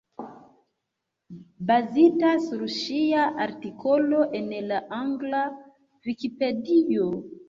Bazita sur ŝia artikolo en la angla Vikipedio.